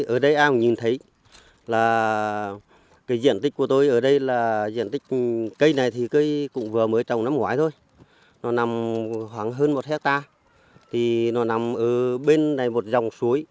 ở đây ai cũng nhìn thấy là cái diện tích của tôi ở đây là diện tích cây này thì cây cũng vừa mới trồng năm ngoái thôi nó nằm khoảng hơn một hectare thì nó nằm ở bên này một dòng suối